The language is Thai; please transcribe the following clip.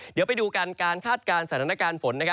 เดี๋ยวไปดูกันการคาดการณ์สถานการณ์ฝน